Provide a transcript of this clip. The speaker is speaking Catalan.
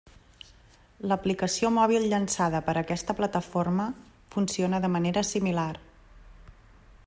L'aplicació mòbil llançada per aquesta plataforma funciona de manera similar.